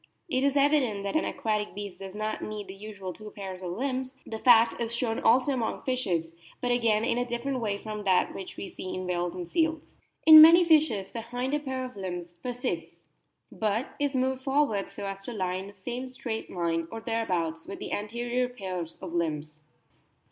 It is evident that an aquatic beast does not need the usual two pairs of limbs ; the fact is shown also among fishes, but again in a different 88 A BOOK OF~ WHALES way from that which we see in whales and seals. In many fishes the hinder pair of limbs persists, but is moved forwards so as to lie in the same straight line, or thereabouts, with the anterior pairs of limbs.